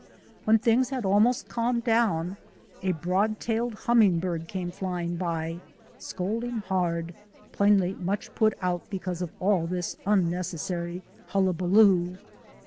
When things had almost calmed down a broad tailed humming bird came flying by, scolding hard, plainly much put out because of all this unnecessary hullabaloo.